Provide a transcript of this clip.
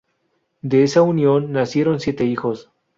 De esa unión nacieron siete hijos.